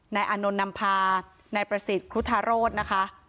อานนท์นำพานายประสิทธิ์ครุฑโรธนะคะ